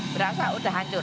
berasa udah hancur